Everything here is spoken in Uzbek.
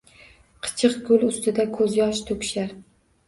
Kichiq gul ustida ko’zyosh to’kishar